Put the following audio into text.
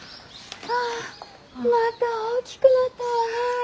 あまた大きくなったわねぇ！